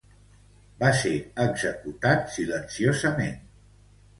Va ser executat silenciosament.